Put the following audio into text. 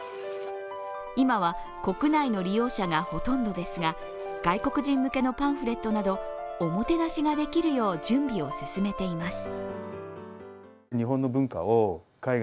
今は国内の利用者がほとんどですが、外国人向けのパンフレットなどおもてなしができるよう準備を進めています。